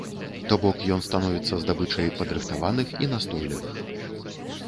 То бок ён становіцца здабычай падрыхтаваных і настойлівых.